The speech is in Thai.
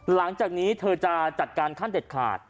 หลังจากนี้เธอจะจัดการขั้นเด็ดขาด